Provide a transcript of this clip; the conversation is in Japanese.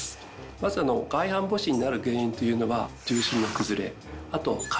まず外反母趾になる原因というのは。